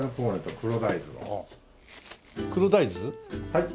はい。